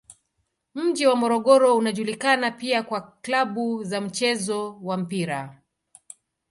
Mji wa Morogoro unajulikana pia kwa klabu za mchezo wa mpira.